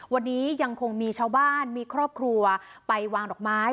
วันนี้ยังคงมีชาวบ้านมีครอบครัวไปวางดอกไม้